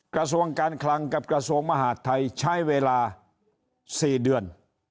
กระทรวงการคลังกับกระทรวงมหาดไทยใช้เวลา๔เดือน